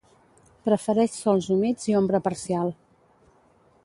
Prefereix sòls humits i ombra parcial.